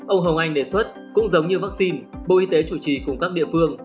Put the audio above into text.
ông hồng anh đề xuất cũng giống như vaccine bộ y tế chủ trì cùng các địa phương